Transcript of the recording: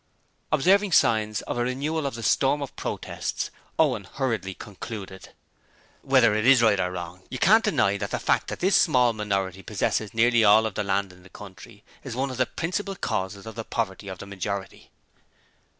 Observing signs of a renewal of the storm of protests, Owen hurriedly concluded: 'Whether it's right or wrong, you can't deny that the fact that this small minority possesses nearly all the land of the country is one of the principal causes of the poverty of the majority.'